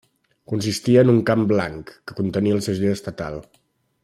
Consistia en un camp blanc que contenia el segell estatal.